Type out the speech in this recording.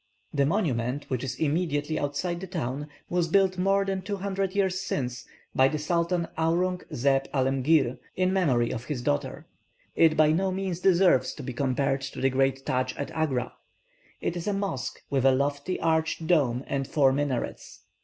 The monument, which is immediately outside the town, was built more than two hundred years since by the Sultan Aurung zeb Alemgir, in memory of his daughter. It by no means deserves to be compared to the great Tadsch at Agra. It is a mosque, with a lofty arched dome and four minarets.